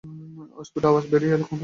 অস্ফুট আওয়াজ বেরিয়ে এল কণ্ঠ চিরে।